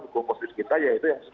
hukum positif kita ya itu yang